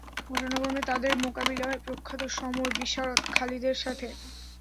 ঘটনাক্রমে তাদের মোকাবিলা হয় প্রখ্যাত সমর বিশারদ খালিদের সাথে।